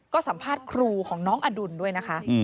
ก็สัมภาษณ์ครูของน้องอดุลด้วยนะคะ